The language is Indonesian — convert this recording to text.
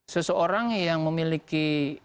seseorang yang memiliki